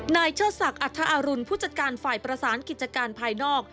นายเชษษักอัทธาอารุณผู้จัดการฝ่ายประสานกิจการภายนอก